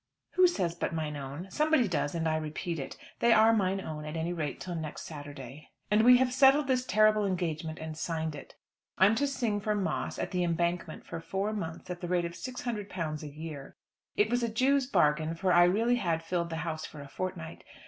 Who says "But mine own?" Somebody does, and I repeat it. They are mine own, at any rate till next Saturday. And we have settled this terrible engagement and signed it. I'm to sing for Moss at "The Embankment" for four months, at the rate of £600 a year. It was a Jew's bargain, for I really had filled the house for a fortnight.